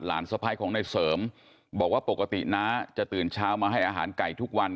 สะพ้ายของในเสริมบอกว่าปกติน้าจะตื่นเช้ามาให้อาหารไก่ทุกวัน